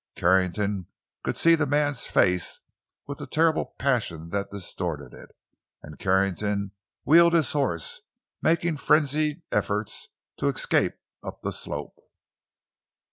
Carrington could see the man's face, with the terrible passion that distorted it, and Carrington wheeled his horse, making frenzied efforts to escape up the slope.